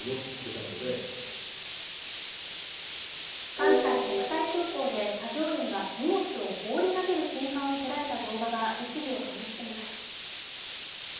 関西国際空港で作業員が荷物を放り投げる瞬間を捉えた動画が物議を醸しています。